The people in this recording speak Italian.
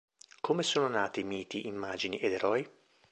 Come sono nati miti, immagini ed eroi?